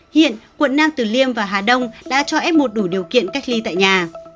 hiện quận nam tử liêm và hà đông đã cho f một đủ điều kiện cách ly tại nhà